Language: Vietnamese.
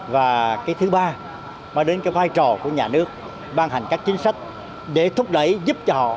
và cái thứ ba mang đến cái vai trò của nhà nước ban hành các chính sách để thúc đẩy giúp cho họ